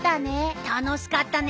たのしかったね。